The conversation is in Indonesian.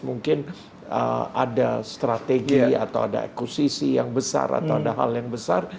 mungkin ada strategi atau ada ekosisi yang besar atau ada hal yang besar